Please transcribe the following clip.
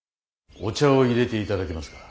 お茶をいれて頂けますか。